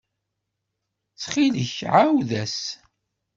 Ttxil-k, ɛawed-as.